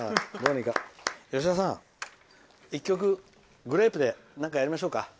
吉田さん、１曲、グレープでなんか、やりましょうか。